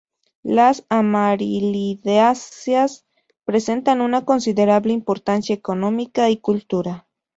Las amarilidáceas presentan una considerable importancia económica y cultural.